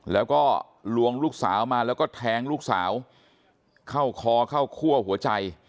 แล้วก็ลวงลูกสาวมาแล้วก็แทงลูกสาวเข้าคอเข้าคั่วหัวใจ